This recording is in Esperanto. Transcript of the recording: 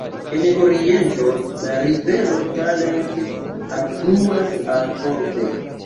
En oriento la rivero Talent alfluas al Orbe.